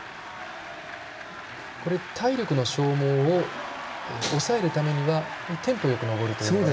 体力の消耗を抑えるためにはテンポよく登るというのが。